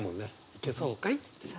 「行けそうかい？」っていう。